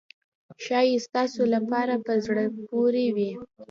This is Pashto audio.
ښایي ستاسو لپاره په زړه پورې وي.